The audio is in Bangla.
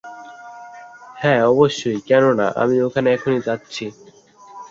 তাছাড়া যেহেতু আর্চবিশপ অনেক আগেই মারা গিয়েছিলেন, তাই তাকে জিজ্ঞাসাবাদ করা যায়নি।